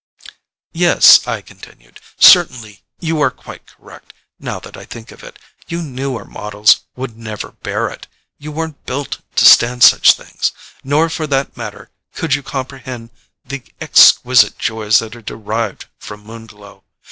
"Yes," I continued, "certainly you are quite correct, now that I think of it. You newer models would never bear it. You weren't built to stand such things. Nor, for that matter, could you comprehend the exquisite joys that are derived from Moon Glow.